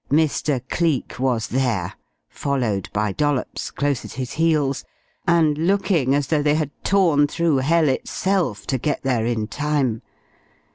Mr. Cleek was there, followed by Dollops, close at his heels, and looking as though they had torn through hell itself to get there in time.